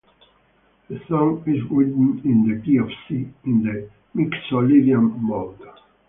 The song is written in the key of C, in the Mixolydian mode.